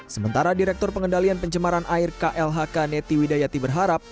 sementara direktur pengendalian pencemaran air klhk neti widayati berharap